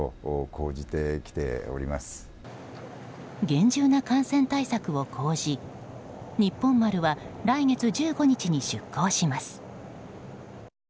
厳重な感染対策を講じ「にっぽん丸」は来月１５日に出港します。